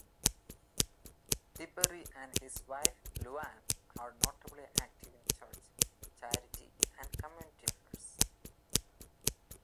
DeBerry and his wife, LuAnn, are notably active in church, charity and community affairs.